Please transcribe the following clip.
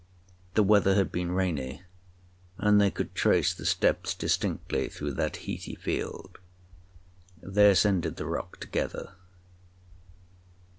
The weather had been rainy, and they could trace the steps distinctly through that heathy field. They ascended the rock together.